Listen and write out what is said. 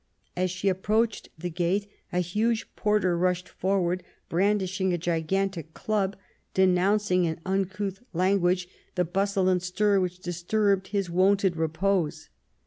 As she approached the gate a huge porter rushed forward, brandishing a gigantic club, denouncing in uncouth language the bustle and stir which disturbed his wonted repose.